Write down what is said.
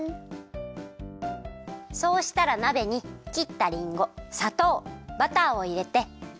そうしたらなべにきったりんごさとうバターをいれて。